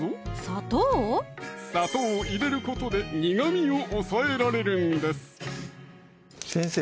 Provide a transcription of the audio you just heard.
砂糖を入れることで苦味を抑えられるんです先生